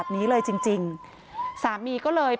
พี่ทีมข่าวของที่รักของ